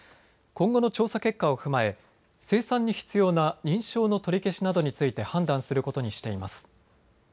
今後の調査結果を踏まえ生産に必要な認証の取り消しなどについて判断することにしています。